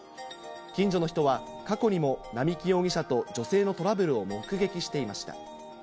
近所の人は、過去にも並木容疑者と女性のトラブルを目撃していました。